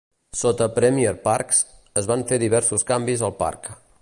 Sota Premier Parks, es van fer diversos canvis al parc.